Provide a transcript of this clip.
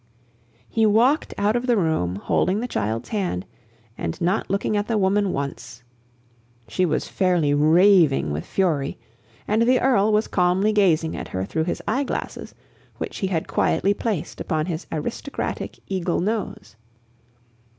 He walked out of the room, holding the child's hand and not looking at the woman once. She was fairly raving with fury, and the Earl was calmly gazing at her through his eyeglasses, which he had quietly placed upon his aristocratic, eagle nose.